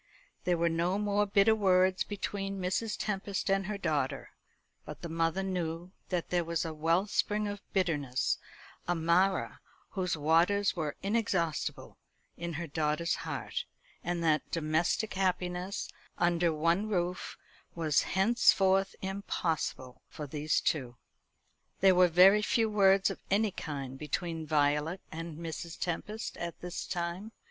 There were no more bitter words between Mrs. Tempest and her daughter, but the mother knew that there was a wellspring of bitterness a Marah whose waters were inexhaustible in her daughter's heart; and that domestic happiness, under one roof, was henceforth impossible for these two. There were very few words of any kind between Violet and Mrs. Tempest at this time.